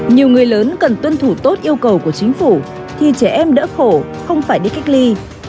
nhiều người lớn cần tuân thủ tốt yêu cầu của chính phủ thì trẻ em đỡ khổ không phải đi cách ly